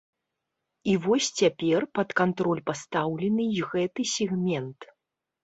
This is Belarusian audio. І вось цяпер пад кантроль пастаўлены і гэты сегмент.